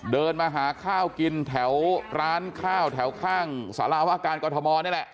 เดินมาหาข้าวกินแถวร้านข้าวแถวข้างสารวการกรทมนี่แหละ